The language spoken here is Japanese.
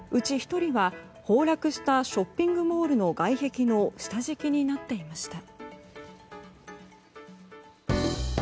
１人は崩落したショッピングモールの外壁の下敷きになっていました。